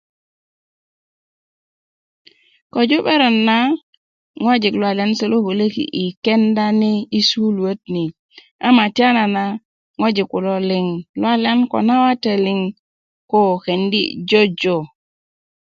Köju 'berön na ŋwajik luwaliyan se lo kölöki i kenda ni i sukuluöt ni ama tiyanana ŋwajik kulo liŋ luwaliyan ko na wate liŋ kendi jojo